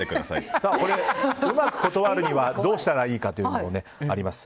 うまく断るにはどうしたらいいかというのがあります。